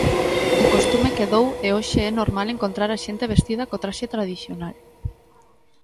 O costume quedou e hoxe é normal encontrar a xente vestida co traxe tradicional.